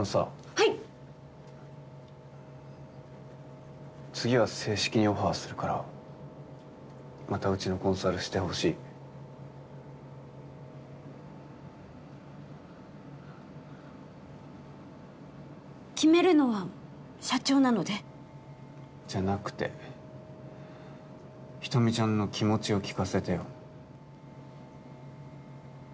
はい次は正式にオファーするからまたうちのコンサルしてほしい決めるのは社長なのでじゃなくて人見ちゃんの気持ちを聞かせてよ